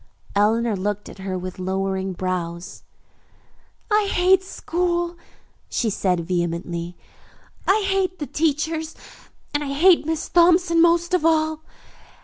Eleanor looked at her with lowering brows. "I hate school," she said vehemently. "I hate the teachers, and I hate Miss Thompson most of all.